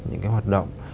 những cái hoạt động